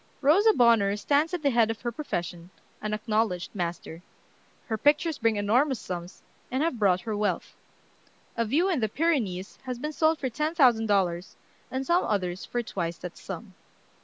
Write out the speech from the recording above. Rosa Bonheur stands at the head of her profession, an acknowledged master. Her pictures bring enormous sums, and have brought her wealth. A "View in the Pyrenees" has been sold for ten thousand dollars, and some others for twice that sum.